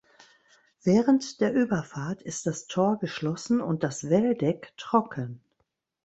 Während der Überfahrt ist das Tor geschlossen und das Welldeck trocken.